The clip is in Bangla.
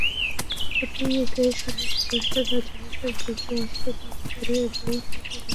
প্রথম দিকে সেনাসদস্যরা জনতার দিকে অস্ত্র তাক করেন এবং ফাঁকা গুলি ছোড়েন।